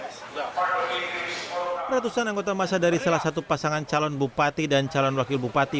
ratusan anggota masa dari salah satu pasangan calon bupati dan calon wakil bupati